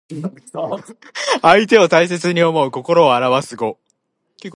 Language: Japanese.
相手を大切に思う心をあらわす語。